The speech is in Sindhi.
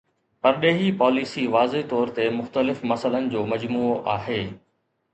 پرڏيهي پاليسي واضح طور تي مختلف مسئلن جو مجموعو آهي.